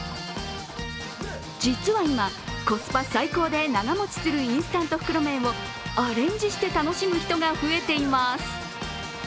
実は今、コスパ最高で長持ちするインスタント袋麺をアレンジして楽しむ人が増えています。